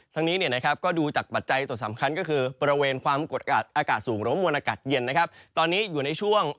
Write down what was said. ทั้งนี้ดูจากปัจจัยส่วนสำคัญก็คือบริเวณความกดอากาศสูงหรือวงบริเวณอากาศเย็น